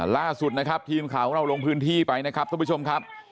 ล่าสุดนะครับทีมข่าวของเราลงพื้นที่ไปนะครับทุกผู้ชมครับ